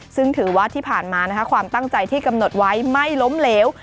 ซึ่งถือว่าที่ผ่านมาความตั้งใจที่กำหนดไว้ไม่ล้มเหลว